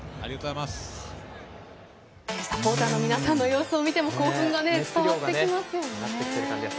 サポーターの皆さんの様子を見ても興奮が伝わってきますよね。